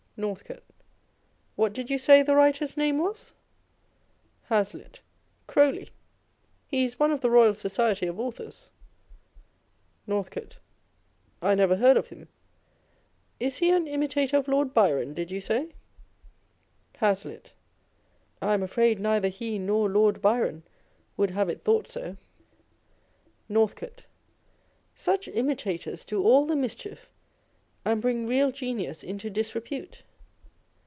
Northcote. What did you say the writer's name was? Hazlitt. Croly. He is . one of the Eoyal Society of Authors. Northcote. I never heard Lord Byron, did you say ? Is he an imitator of Hazlitt. I am afraid neither he nor Lord Byron would have it thought so. Northcote. Such imitators do all the mischief, and bring real genius into disrepute.